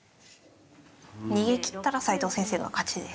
逃げきったら斎藤先生の勝ちです。